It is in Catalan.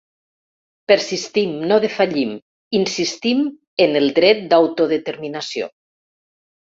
Persistim, no defallim, insistim en el dret d’autodeterminació.